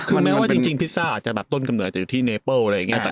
คือแม้ว่าจริงจริงพิซซ่าจะแบบต้นกำหนดจะอยู่ที่เนเปิลอะไรอย่างเงี้ยอ่า